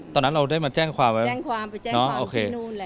ตอนนั้นเราได้มาแจ้งความไป